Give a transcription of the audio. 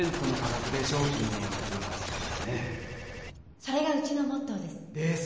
それがうちのモットーです。